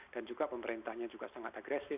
dan juga pemerintahnya juga sangat agresif